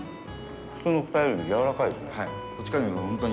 普通の「くさや」よりもやわらかいですね。